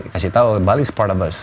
kasih tau bali is part of us